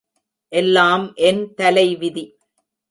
எல்லாம் என் தலைவிதி.